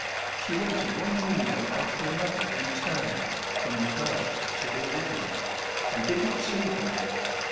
She went to one window after another in turn, from the first to the eleventh, and did not see him.